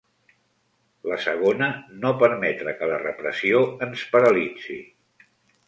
La segona, no permetre que la repressió ens paralitzi.